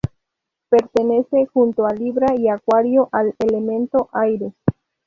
Pertenece junto a Libra y Acuario al elemento aire.